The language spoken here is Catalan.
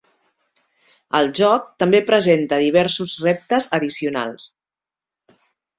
El joc també presenta diversos reptes addicionals.